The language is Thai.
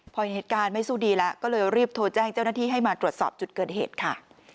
พอเหตุการณ์ไม่สู้ดีแล้วก็เลยรีบโทรแจ้งเจ้าหน้าที่ให้มาตรวจสอบจุดเกิดเหตุค่ะ